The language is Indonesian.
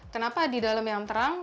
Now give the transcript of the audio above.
kenapa di dalam yang terang